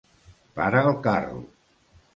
Para el carro!